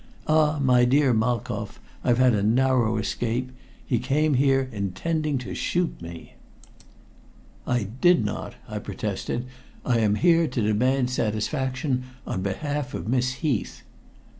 Ah, my dear Malkoff, I've had a narrow escape! He came here intending to shoot me." "I did not," I protested. "I am here to demand satisfaction on behalf of Miss Heath."